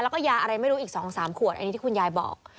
แล้วก็ยาอะไรไม่รู้อีก๒๓ขวดอันนี้ที่คุณยายบอก